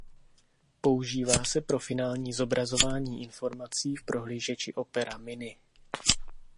Používá se pro finální zobrazování informací v prohlížeči Opera Mini.